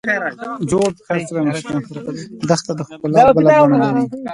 دښته د ښکلا بله بڼه لري.